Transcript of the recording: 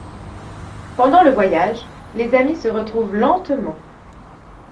Pendant le voyage, les amis se retrouvent lentement.